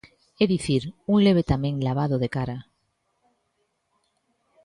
É dicir, un leve tamén lavado de cara.